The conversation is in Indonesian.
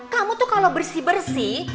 kamu tuh kalau bersih bersih